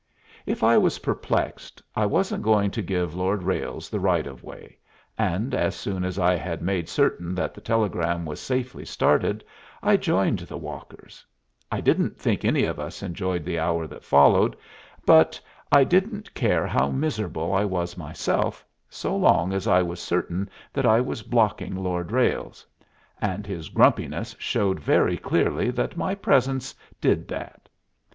If I was perplexed, I wasn't going to give Lord Ralles the right of way, and as soon as I had made certain that the telegram was safely started I joined the walkers. I don't think any of us enjoyed the hour that followed, but I didn't care how miserable I was myself, so long as I was certain that I was blocking Lord Ralles; and his grumpiness showed very clearly that my presence did that.